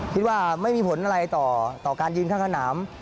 คิดว่าไม่มีผลอะไรต่อการยิงข้างสนาม